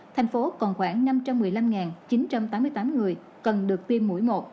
thành phố còn khoảng năm trăm một mươi năm chín trăm tám mươi tám người cần được tiêm mũi một